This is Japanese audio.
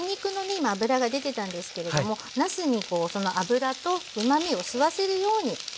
今脂が出てたんですけれどもなすにその脂とうまみを吸わせるように炒めていきますね。